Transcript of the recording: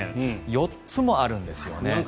４つもあるんですよね。